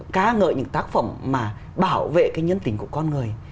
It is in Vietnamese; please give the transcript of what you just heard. ca ngợi những tác phẩm mà bảo vệ cái nhân tình của con người